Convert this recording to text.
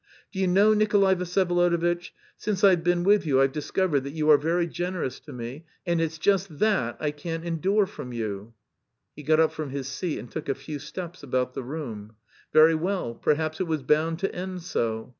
Do you know, Nikolay Vsyevolodovitch, since I've been with you I've discovered that you are very generous to me, and it's just that I can't endure from you." He got up from his seat and took a few steps about the room. "Very well, perhaps it was bound to end so....